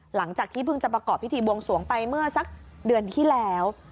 หลังจากที่เพิ่งจะประกอบพิธีบวงสวงไปเมื่อสักเดือนที่แล้ว